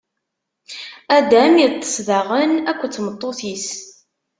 Adam iṭṭeṣ daɣen akked tmeṭṭut-is.